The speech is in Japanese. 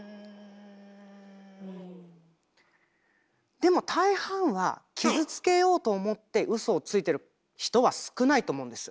でも大半は傷つけようと思ってウソをついてる人は少ないと思うんですよ。